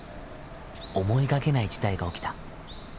思いがけない事態が起きた。